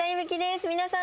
皆さん。